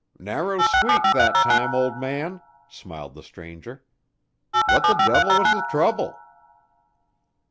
"Narrow squeak that time, old man," smiled the stranger. "What the devil was the trouble?"